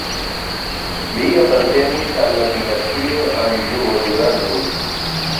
Li apartenis al la dinastio Anĵuo-Durazzo.